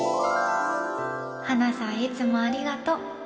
ハナさん、いつもありがとう。